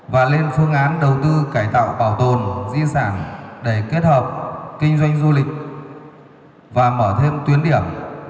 và lên phương án đầu tư cải tạo bảo tồn di sản để kết hợp kinh doanh du lịch và mở thêm tuyến điểm